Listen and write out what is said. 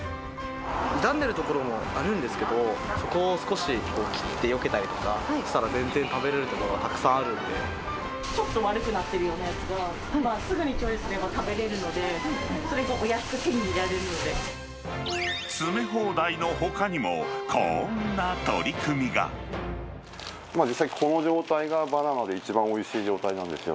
傷んでいるところもあるんですけれども、そこを少し切ってよけたりとかしたら、全然食べれるちょっと悪くなってるようなやつがすぐに調理すれば食べれるので、それがお安く手に入れられ詰め放題のほかにも、こんな実際、この状態がバナナで一番おいしい状態なんですよ。